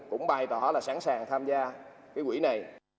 cũng bày tỏ là sẵn sàng tham gia cái quỹ này